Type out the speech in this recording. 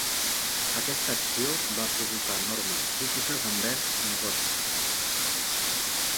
Aquesta acció va provocar enormes crítiques envers Godfrey.